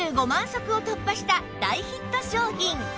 足を突破した大ヒット商品！